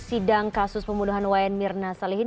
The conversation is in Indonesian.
sidang kasus pembunuhan wayan mirna salihin